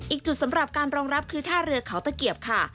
อีกจุดสำหรับการรองรับคือท่าเรือเขาตะเกียบค่ะ